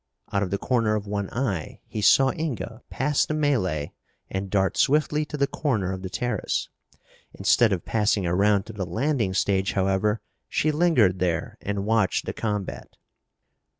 Out of the corner of one eye he saw Inga pass the melee and dart swiftly to the corner of the terrace. Instead of passing around to the landing stage, however, she lingered there and watched the combat.